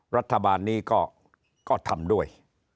รัฐบาลนี้ก็ทำด้วย